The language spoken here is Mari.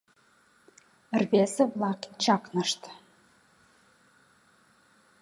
Рвезе-влак чакнышт.